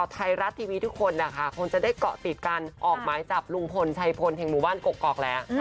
ไทยรัฐทีวีทุกคนนะคะคงจะได้เกาะติดการออกหมายจับลุงพลชัยพลแห่งหมู่บ้านกกอกแล้ว